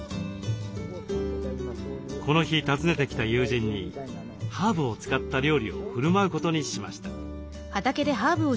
この日訪ねてきた友人にハーブを使った料理をふるまうことにしました。